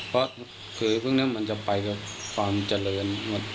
เพราะคือพวกนี้มันจะไปกับความเจริญ